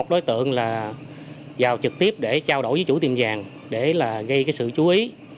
đối tượng là vào trực tiếp để trao đổi với chủ tiệm vàng để là gây sự chú ý